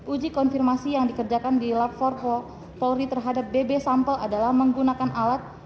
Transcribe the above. uji konfirmasi yang dikerjakan di laboratorium volri terhadap bb sampel adalah menggunakan alat